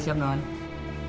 aku pengen bapak